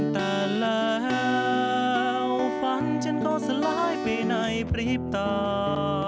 แต่แล้วฝันฉันก็สลายไปในปรี๊บตา